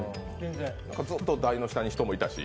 ずっと台の下に人もいたし。